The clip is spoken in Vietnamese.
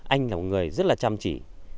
anh là một người rất là chăm chỉ